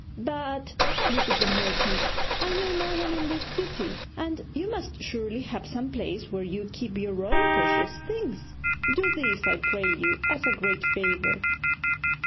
'But,' pleaded the merchant, 'I know no one in this city, and you must surely have some place where you keep your own precious things. Do this, I pray you, as a great favour.'